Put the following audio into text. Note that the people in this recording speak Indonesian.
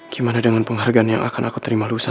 gimana dengan penghargaan yang akan aku terima lulusan ini